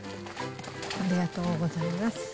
ありがとうございます。